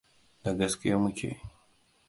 Da gaske muke.